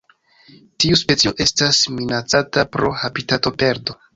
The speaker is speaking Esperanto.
Tiu specio estas minacata pro habitatoperdo.